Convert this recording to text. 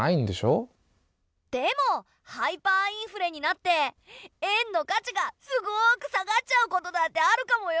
でもハイパーインフレになって円の価値がすごく下がっちゃうことだってあるかもよ。